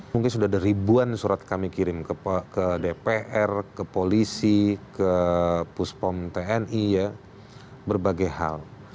mungkin sudah ada ribuan surat kami kirim ke dpr ke polisi ke puspom tni berbagai hal